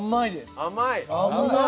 甘い？